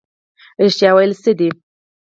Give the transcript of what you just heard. رښتیا ویل څه دي؟